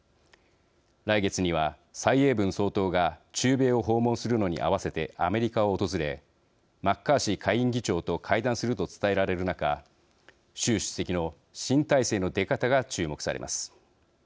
来月には、蔡英文総統が中米を訪問するのに合わせてアメリカを訪れマッカーシー下院議長と会談すると伝えられる中習主席の新体制の出方が注目されます。